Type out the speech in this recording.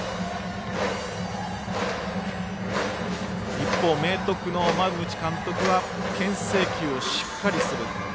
一方、明徳の馬淵監督はけん制球をしっかりする。